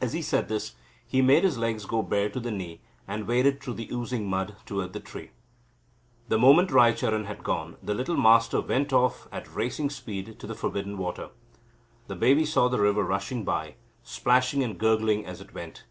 As he said this, he made his legs bare to the knee, and waded through the oozing mud towards the tree. The moment Raicharan had gone, his little Master went off at racing speed to the forbidden water. The baby saw the river rushing by, splashing and gurgling as it went.